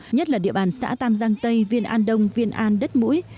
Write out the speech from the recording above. nhất là địa bàn xã tam giang tây viên an đông viên an đất mũi